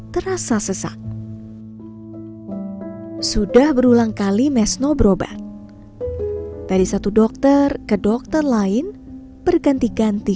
terasa sesak sudah berulang kali mesno berobat dari satu dokter ke dokter lain berganti ganti